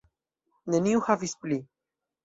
Neniu havis pli.